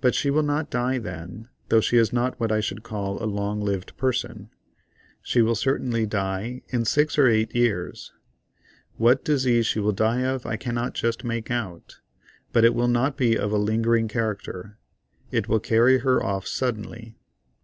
But she will not die then, though she is not what I should call a long lived person. She will certainly die in six or eight years. What disease she will die of I can't just make out, but it will not be of a lingering character: it will carry her off suddenly.